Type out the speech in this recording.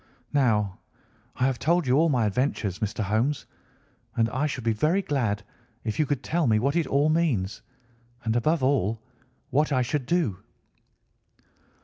Now I have told you all my adventures, Mr. Holmes, and I should be very glad if you could tell me what it all means, and, above all, what I should do."